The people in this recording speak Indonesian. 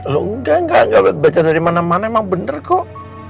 loh enggak enggak nyoba baca dari mana mana emang bener kok